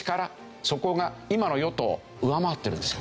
そこが今の与党を上回ってるんですよ。